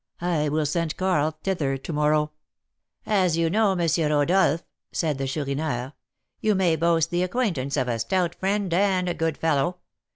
"I will send Karl thither to morrow." "As you know M. Rodolph," said the Chourineur, "you may boast the acquaintance of a stout friend and a good fellow.